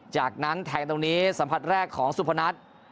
จากนั้นแทงตรงนี้สัมผัสแรกของสุพนัท